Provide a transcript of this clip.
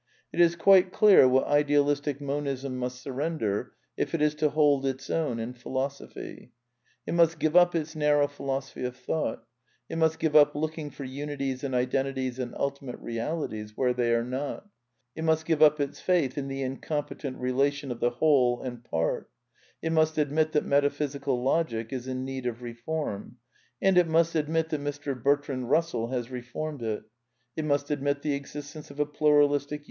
It is quite clear what Idealistic Monism must surrender if^^T it is to hold its own in Philosophy. ^^ It must give up its narrow philosophy of Thought. It • must give up looking for unities and identities and ulti mate realities where they are not. It must give up its faith in the incompetent relation of the whole and part I It must admit that Metaphysical Logic is in need of re [ form. And it must admit that Mr. Bertrand Eussell has reformed it. It must admit the existence of a Pluralistic